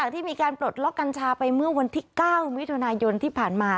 ที่มีการปลดล็อกกัญชาไปเมื่อวันที่๙มิถุนายนที่ผ่านมา